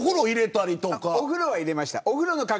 お風呂は入れました。